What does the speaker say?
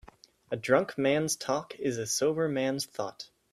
A drunk man's talk is a sober man's thought.